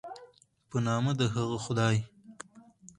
په نامه د هغه خدای